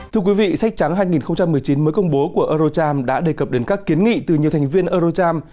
thưa quý vị sách trắng hai nghìn một mươi chín mới công bố của eurocharm đã đề cập đến các kiến nghị từ nhiều thành viên eurocharm